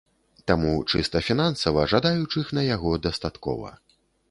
Таму чыста фінансава жадаючых на яго дастаткова.